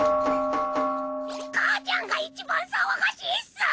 母ちゃんが一番騒がしいッス！